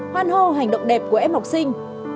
hoan hô hành động đẹp của em học sinh